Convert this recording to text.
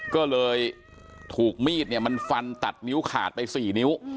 ก็เลยถูกมีดเนี่ยมันฟันตัดนิ้วขาดไป๔นิ้ว